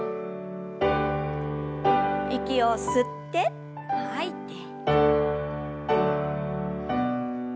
息を吸って吐いて。